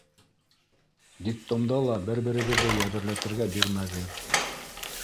Детдомда ла бер-берегеҙҙе йәберләтергә бирмәгеҙ.